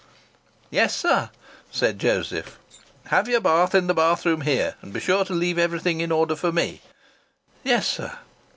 "Yes, sir," said Joseph. "Have your bath in the bathroom here. And be sure to leave everything in order for me." "Yes, sir."